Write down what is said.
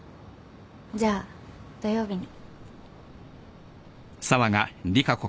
じゃあ土曜日に。